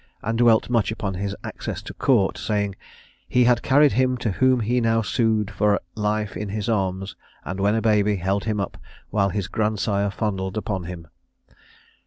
and dwelt much upon his access to court, saying "he had carried him to whom he now sued for life in his arms, and, when a baby, held him up, while his grandsire fondled upon him."